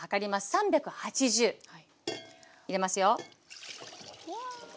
３８０入れますよ。